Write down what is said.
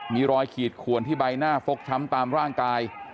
มีรอยขีดขวนที่ใบหน้าฟกช้ำตามร่างกาย